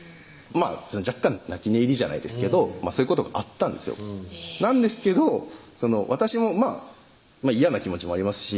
若干泣き寝入りじゃないですけどそういうことがあったんですよなんですけど私も嫌な気持ちもありますし